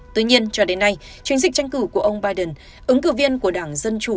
tuy nhiên cho đến nay chiến dịch tranh cử của ông biden ứng cử viên của đảng dân chủ